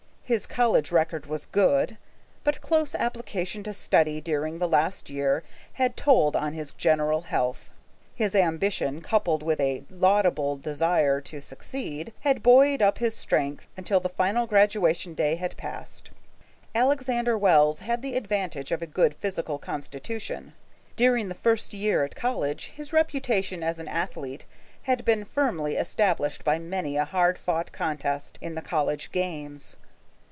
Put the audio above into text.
His college record was good, but close application to study during the last year had told on his general health. His ambition, coupled with a laudable desire to succeed, had buoyed up his strength until the final graduation day had passed. Alexander Wells had the advantage of a good physical constitution. During the first year at college his reputation as an athlete had been firmly established by many a hard fought contest in the college games.